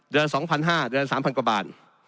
เดือน๒๕๐๐เดือนละ๓๐๐กว่าบาท